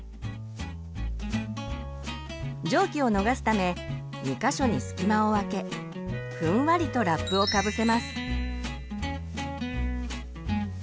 蒸気を逃すため２か所に隙間をあけふんわりとラップをかぶせます。